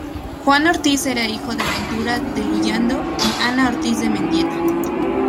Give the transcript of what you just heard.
Juan Ortiz era hijo de Ventura de Luyando y Ana Ortiz de Mendieta.